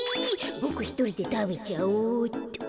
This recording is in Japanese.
ボクひとりでたべちゃおうっと。